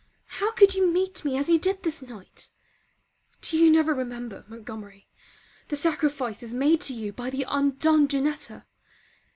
How could you meet me as you did this night? Do you never remember, Montgomery, the sacrifices made to you by the undone Janetta?